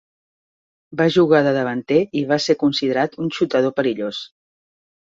Va jugar de davanter i va ser considerat un xutador perillós.